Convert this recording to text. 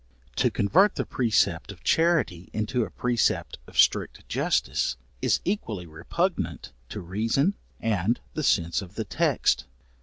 To convert the precept of charity into a precept of strict justice, is equally repugnant to reason, and the sense of the text.